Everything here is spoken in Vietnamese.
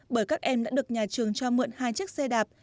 bởi các em đã được nhà trường cho mượn hai chiếc xe đạp